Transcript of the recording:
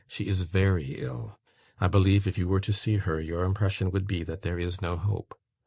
She is VERY ill. I believe, if you were to see her, your impression would be that there is no hope.